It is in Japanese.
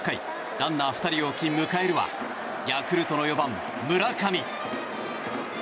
ランナー２人を置き迎えるはヤクルトの４番、村上。